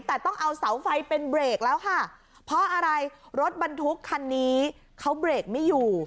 แต่ต้องเอาเสาไฟเป็นเบรกแล้วค่ะเพราะอะไรรถบรรทุกคันนี้เขาเบรกไม่อยู่